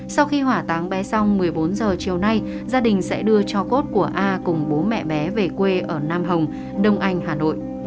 sau khi hỏa táng bé xong một mươi bốn h chiều nay gia đình sẽ đưa cho cốt của a cùng bố mẹ bé về quê ở nam hồng đông anh hà nội